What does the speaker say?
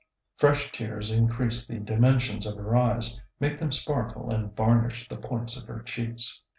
Fresh tears increase the dimensions of her eyes, make them sparkle and varnish the points of her cheeks.